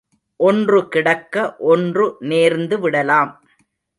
ஒன்று கிடக்க ஒன்று நேர்ந்து விடலாம்.